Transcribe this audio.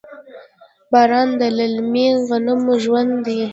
باران د للمي غنمو ژوند دی.